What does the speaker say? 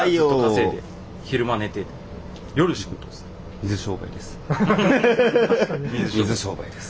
水商売です。